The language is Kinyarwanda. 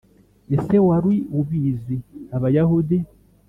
ese wari ubizi abayahudi